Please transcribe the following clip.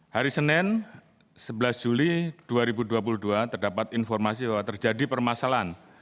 hari senin sebelas juli dua ribu dua puluh dua terdapat informasi bahwa terjadi permasalahan